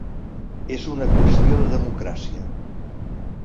És una qüestió de democràcia.